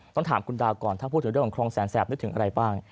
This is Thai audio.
ต้องถามคุณดาวก่อนถ้าพูดถึงเรื่องของคลองแสนแสบนึกถึงอะไรบ้าง